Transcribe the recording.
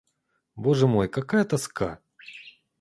Боже мой, какая тоска!